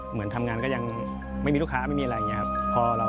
เหมือนทำงานก็ยังไม่มีลูกค้าไม่มีอะไรอย่างนี้ครับ